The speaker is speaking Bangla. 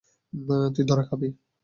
তুই ধরা খাবি।